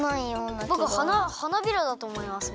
ぼく花びらだとおもいます。